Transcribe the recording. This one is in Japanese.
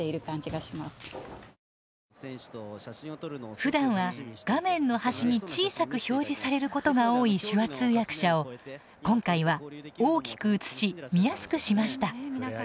ふだんは、画面の端に小さく表示されることが多い手話通訳者を今回は大きく映し見やすくしました。